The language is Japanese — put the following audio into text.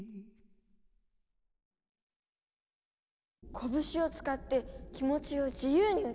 こぶしを使って気持ちを自由に歌い上げる。